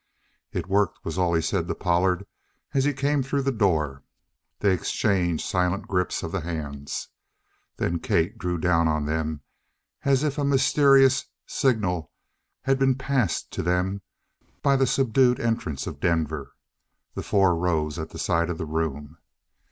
"It worked," was all he said aside to Pollard as he came through the door. They exchanged silent grips of the hands. Then Kate drew down on them; as if a mysterious; signal had been passed to them by the subdued entrance of Denver, the four rose at the side of the room.